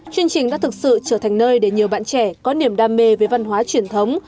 chương trình đã thực sự trở thành nơi để nhiều bạn trẻ có niềm đam mê về văn hóa truyền thống